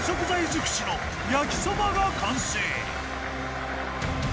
づくしの焼きそばが完成！